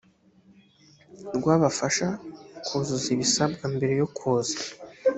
rw abafasha kuzuza ibisabwa mbere yo kuza